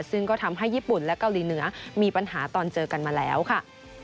ซึ่งก็ทำให้ญี่ปุ่นและเกาหลีเหนือมีปัญหาตอนเจอกันมาแล้วค่ะ